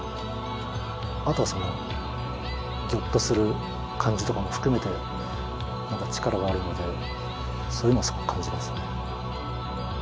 あとはギョッとする感じとかも含めて力があるのでそういうのをすごく感じますね。